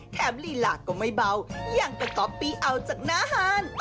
ลีลาก็ไม่เบาอย่างก็ก๊อปปี้เอาจากหน้าฮาน